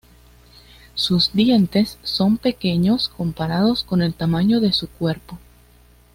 Sus dientes son pequeños comparados con el tamaño de su cuerpo.